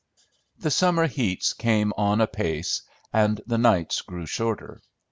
The summer heats came on apace and the nights grew shorter.